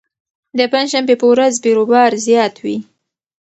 د پنجشنبې په ورځ بېروبار زیات وي.